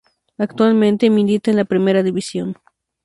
Actualmente milita en la Primera División.